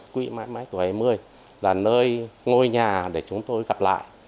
quỹ mãi mãi tuổi bảy mươi là nơi ngôi nhà để chúng tôi gặp lại